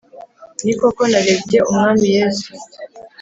Ni koko, Narebye Umwami Yesu;